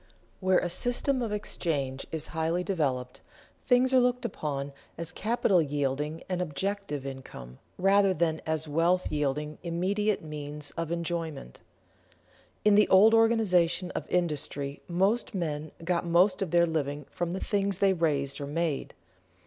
_Where a system of exchange is highly developed, things are looked upon as capital yielding an objective income rather than as wealth yielding immediate means of enjoyment._ In the old organization of industry most men got most of their living from the things they raised or made.